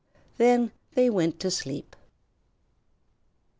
Then they went to sleep.